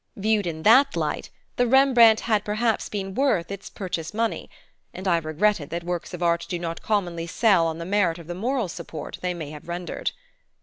Viewed in that light the Rembrandt had perhaps been worth its purchase money; and I regretted that works of art do not commonly sell on the merit of the moral support they may have rendered.